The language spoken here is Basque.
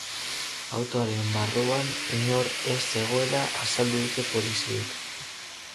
Autoaren barruan inor ez zegoela azaldu dute poliziek.